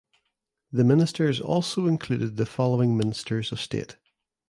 The ministers also included the following ministers of state.